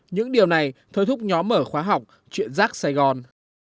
những điều này thơi thúc nhóm mở khóa học chuyện rác saigon